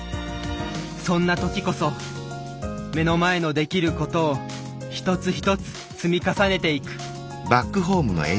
そんな時こそ目の前のできることを一つ一つ積み重ねていく。